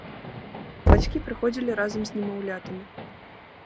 Бацькі прыходзілі разам з немаўлятамі.